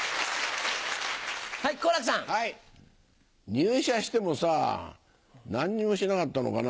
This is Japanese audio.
入社してもさ何にもしなかったのかな？